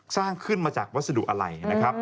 สร้างขึ้นมาจากวัสดุอะไร